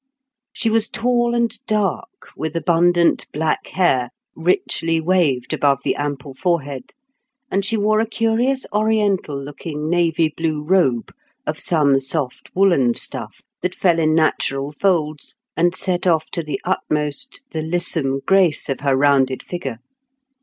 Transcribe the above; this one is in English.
She was tall and dark, with abundant black hair, richly waved above the ample forehead; and she wore a curious Oriental looking navy blue robe of some soft woollen stuff, that fell in natural folds and set off to the utmost the lissome grace of her rounded figure.